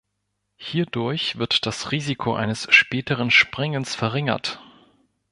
Hierdurch wird das Risiko eines späteren Springens verringert.